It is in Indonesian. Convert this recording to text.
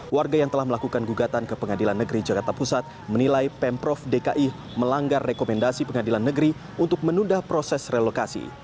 warga yang telah melakukan gugatan ke pengadilan negeri jakarta pusat menilai pemprov dki melanggar rekomendasi pengadilan negeri untuk menunda proses relokasi